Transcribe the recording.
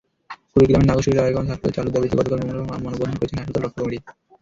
কুড়িগ্রামের নাগেশ্বরী রায়গঞ্জ হাসপাতাল চালুর দাবিতে গতকাল মঙ্গলবার মানববন্ধন করেছে হাসপাতাল রক্ষা কমিটি।